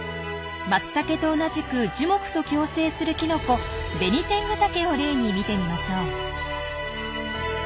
マツタケと同じく樹木と共生するキノコベニテングタケを例に見てみましょう。